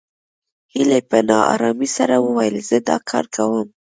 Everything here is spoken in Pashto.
هيلې په نا آرامۍ سره وويل زه دا کار کوم